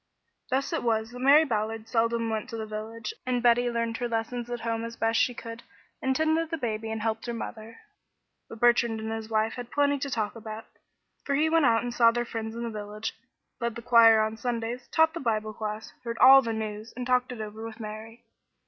Thus it was that Mary Ballard seldom went to the village, and Betty learned her lessons at home as best she could, and tended the baby and helped her mother. But Bertrand and his wife had plenty to talk about; for he went out and saw their friends in the village, led the choir on Sundays, taught the Bible class, heard all the news, and talked it over with Mary.